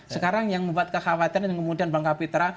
sekarang yang membuat kekhawatiran dan kemudian bang kapitra